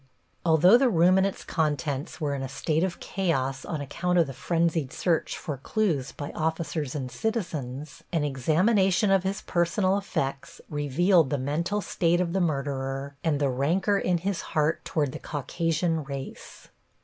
Although the room and its contents were in a state of chaos on account of the frenzied search for clews by officers and citizens, an examination of his personal effects revealed the mental state of the murderer and the rancor in his heart toward the Caucasian race.